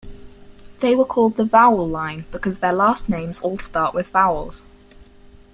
They were called the "Vowel Line" because their last names all start with vowels.